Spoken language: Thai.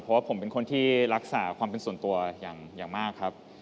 เพราะว่าผมเป็นคนที่รักษาความเป็นส่วนตัวอย่างมากครับ